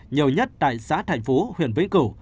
nhiều nhất tại xã thành phố huyện vĩnh cửu